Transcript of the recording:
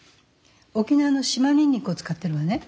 沖縄の島ニンニクを使ってるのね。